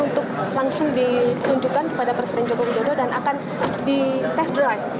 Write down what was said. untuk langsung ditunjukkan kepada presiden jokowi dodo dan akan dites drive